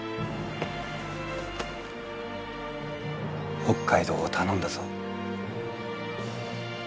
北海道を頼んだぞ。